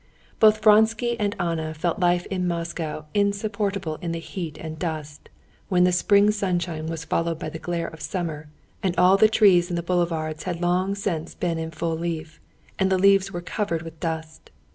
Both Vronsky and Anna felt life in Moscow insupportable in the heat and dust, when the spring sunshine was followed by the glare of summer, and all the trees in the boulevards had long since been in full leaf, and the leaves were covered with dust.